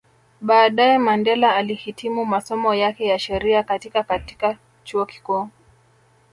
Baadae Mandela alihitimu masomo yake ya sheria katika Katika chuo kikuu